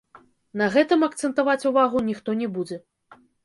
На гэтым акцэнтаваць увагу ніхто не будзе.